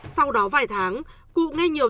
sau đó vài tháng cụ nghe nhiều